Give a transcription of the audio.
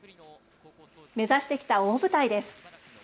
目指してきた大舞台です。